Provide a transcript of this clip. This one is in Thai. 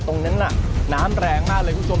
ตรงนั้นน่ะน้ำแรงมากเลยคุณผู้ชม